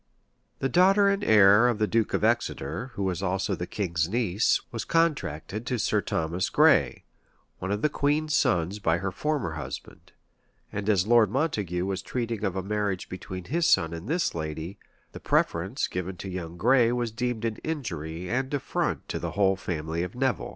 [] The daughter and heir of the duke of Exeter, who was also the king's niece, was contracted to Sir Thomas Gray, one of the queen's sons by her former husband; and as Lord Montague was treating of a marriage between his son and this lady, the preference given to young Gray was deemed an injury and affront to the whole family of Nevil.